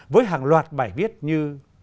với hàng loạt bài viết như